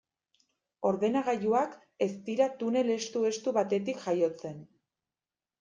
Ordenagailuak ez dira tunel estu-estu batetik jaiotzen.